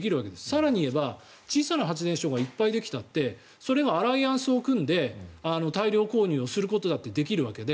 更に言えば小さな発電所がいっぱいできたってそれがアライアンスを組んで大量購入することだってできるわけで。